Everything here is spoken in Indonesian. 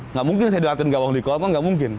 nggak mungkin saya dilatih di kolam kan nggak mungkin